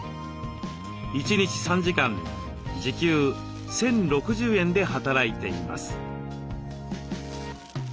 １日３時間時給１，０６０円で働いています。